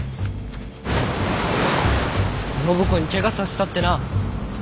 暢子にケガさせたってな。